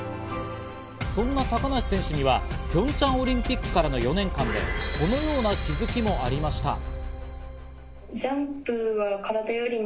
そんな高梨選手にはピョンチャンオリンピックからの４年間でこのような気づきもありました。